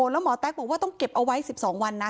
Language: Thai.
แล้วหมอแต๊กบอกว่าต้องเก็บเอาไว้๑๒วันนะ